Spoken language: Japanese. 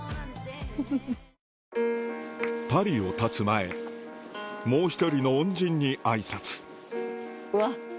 パリをたつ前もう一人の恩人に挨拶うわ！